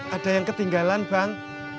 ada yang ketinggalan bang